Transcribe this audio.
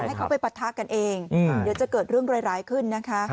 ให้เขาไปปะทะกันเองเดี๋ยวจะเกิดเรื่องร้ายขึ้นนะคะ